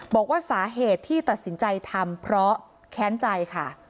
บอกว่าสาเหตุที่ตัดสินใจทำเพราะแค้นใจค่ะ